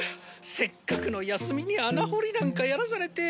せっかくの休みに穴掘りなんかやらされて。